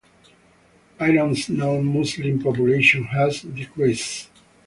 Iran's non-Muslim population has decreased.